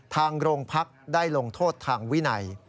ทางโรงพักได้ลงโทษทางวินัย